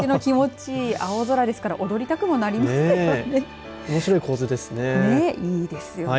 それはこれだけの気持ちいい青空ですから踊りたくもなりますよね。